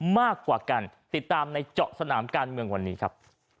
มากกว่ากันติดตามในเจาะสนามการเมืองวันนี้ครับ